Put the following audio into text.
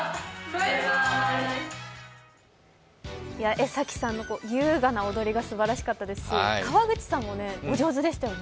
江崎さんの優雅な踊りがすばらしかったですし、川口さんもお上手でしたよね。